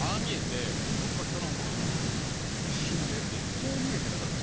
「こう見えて」だから普通。